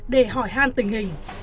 để hỏi han tình hình